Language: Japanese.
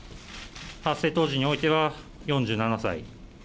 発生当時においては４７歳。